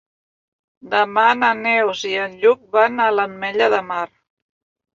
Demà na Neus i en Lluc van a l'Ametlla de Mar.